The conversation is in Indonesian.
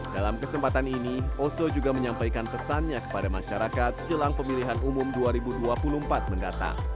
dalam kesempatan ini oso juga menyampaikan pesannya kepada masyarakat jelang pemilihan umum dua ribu dua puluh empat mendatang